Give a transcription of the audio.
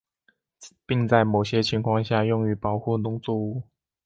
并在某些情况下用于保护农作物。